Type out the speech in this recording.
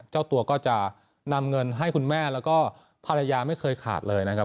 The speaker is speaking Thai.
เจ้าตัวก็จะนำเงินให้คุณแม่แล้วก็ภรรยาไม่เคยขาดเลยนะครับ